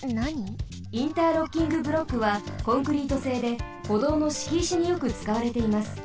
ロッキングブロックはコンクリートせいでほどうのしきいしによくつかわれています。